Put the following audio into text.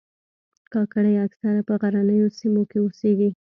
کاکړي اکثره په غرنیو سیمو کې اوسیږي.